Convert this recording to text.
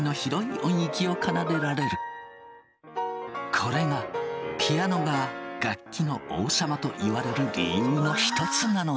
これがピアノが楽器の王様といわれる理由の一つなのだ。